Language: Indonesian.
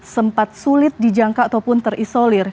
sempat sulit dijangka ataupun terisolir